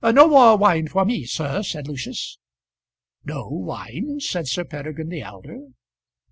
"No more wine for me, sir," said Lucius. "No wine!" said Sir Peregrine the elder.